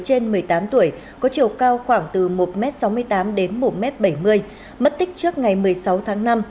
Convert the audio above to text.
trên một mươi tám tuổi có chiều cao khoảng từ một sáu mươi tám m đến một bảy mươi m mất tích trước ngày một mươi sáu tháng năm